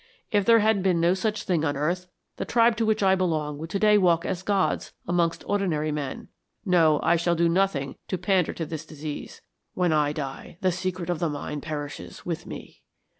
If there had been no such thing on earth, the tribe to which I belong would to day walk as gods amongst ordinary men. No, I shall do nothing to pander to this disease. When I die the secret of the mine perishes with me.